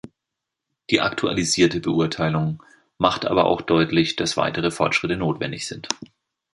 Die aktualisierte Beurteilung macht aber auch deutlich, dass weitere Fortschritte notwendig sind.